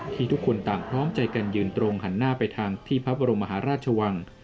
ทุกคนต่างพร้อมใจกันยืนตรงหันหน้าไปทางที่พระบรมมหาราชวัง